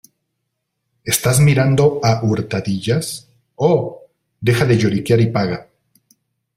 ¿ Estás mirando a_hurtadillas? Oh, deja de lloriquear y paga.